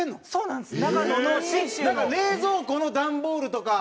なんか冷蔵庫の段ボールとか。